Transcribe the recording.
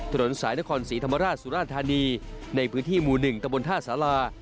ถนนสายนครศรีธรรมราชสุราธานีในพื้นที่หมู่๑ตะบนท่าสารา